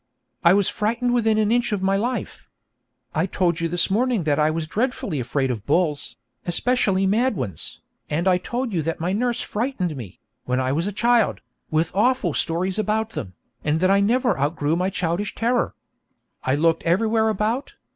'I was frightened within an inch of my life. I told you this morning that I was dreadfully afraid of bulls, especially mad ones, and I told you that my nurse frightened me, when I was a child, with awful stories about them, and that I never outgrew my childish terror. I looked everywhere about.